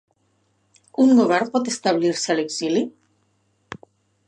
Un govern pot establir-se a l’exili?